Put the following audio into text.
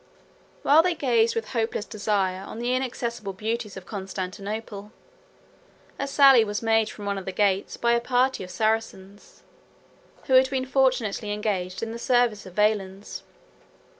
While they gazed with hopeless desire on the inaccessible beauties of Constantinople, a sally was made from one of the gates by a party of Saracens, 96 who had been fortunately engaged in the service of Valens.